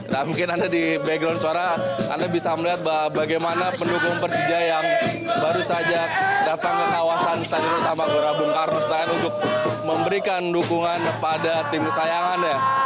nah mungkin anda di background suara anda bisa melihat bagaimana pendukung persija yang baru saja datang ke kawasan standar utama gorabung karunstahen untuk memberikan dukungan pada tim kesayangan ya